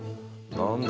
何だ？